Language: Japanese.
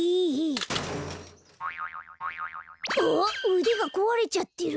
うでがこわれちゃってる。